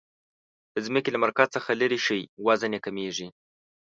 د ځمکې له مرکز څخه لیرې شئ وزن یي کمیږي.